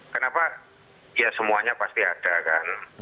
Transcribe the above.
kenapa ya semuanya pasti ada kan